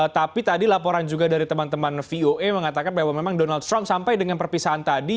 tapi tadi laporan juga dari teman teman voa mengatakan bahwa memang donald trump sampai dengan perpisahan tadi